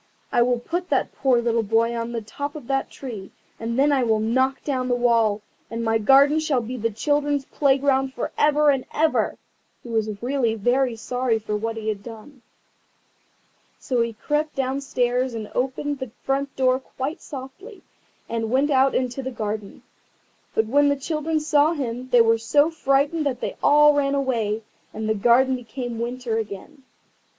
I will put that poor little boy on the top of the tree, and then I will knock down the wall, and my garden shall be the children's playground for ever and ever." He was really very sorry for what he had done. So he crept downstairs and opened the front door quite softly, and went out into the garden. But when the children saw him they were so frightened that they all ran away, and the garden became winter again.